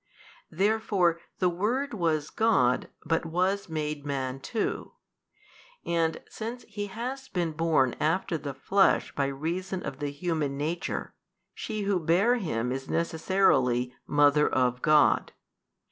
Therefore the Word was God but was made Man too, and since He has been born after the flesh by reason of the human nature, she who bare Him is necessarily Mother of God.